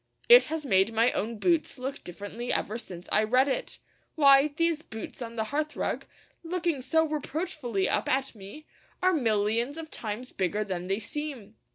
It has made my own boots look differently ever since I read it. Why, these boots on the hearthrug, looking so reproachfully up at me, are millions of times bigger than they seem!